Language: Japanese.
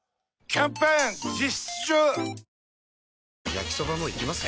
焼きソバもいきます？